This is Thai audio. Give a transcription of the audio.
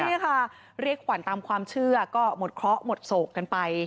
นี่ค่ะเรียกขวัญตามความเชื่อก็หมดเคราะห์หมดโศกกันไป